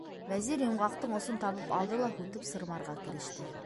Вәзир йомғаҡтың осон табып алды ла һүтеп сырмарға кереште.